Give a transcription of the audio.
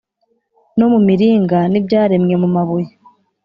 no mu miringa n’ibyaremwe mu mabuye